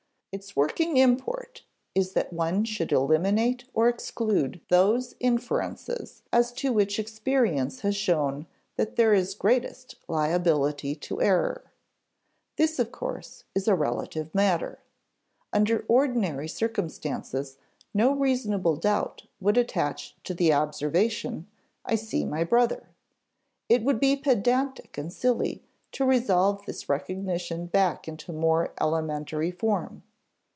Its working import is that one should eliminate or exclude those inferences as to which experience has shown that there is greatest liability to error. This, of course, is a relative matter. Under ordinary circumstances no reasonable doubt would attach to the observation, "I see my brother"; it would be pedantic and silly to resolve this recognition back into a more elementary form.